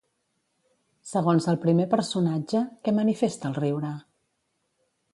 Segons el primer personatge, què manifesta el riure?